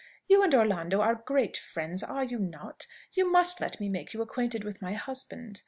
"You and Orlando are great friends, are you not? You must let me make you acquainted with my husband."